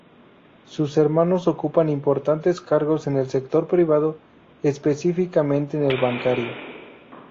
Sus hermanos ocupan importantes cargos en el sector privado, específicamente en el bancario.